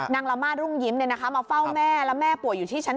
ละม่ารุ่งยิ้มมาเฝ้าแม่แล้วแม่ป่วยอยู่ที่ชั้น๓